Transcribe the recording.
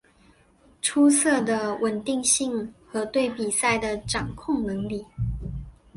出色的稳定性和对比赛的掌控能力。